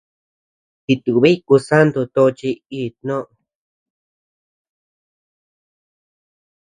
Jitubiy kusanto tochi íʼ tnoʼö.